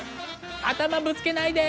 頭ぶつけないで！